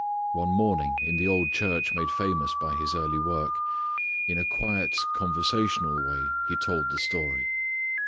One morning in the old church made famous by his early work, in a quiet conversational way he told the story.